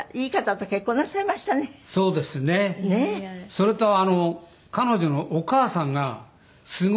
それとあの彼女のお母さんがすごいまめで。